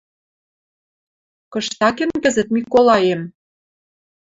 «Кыштакен кӹзӹт Миколаем?